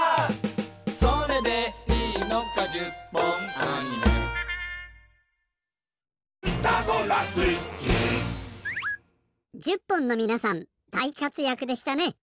「それでいいのか１０本アニメ」１０本のみなさんだいかつやくでしたね。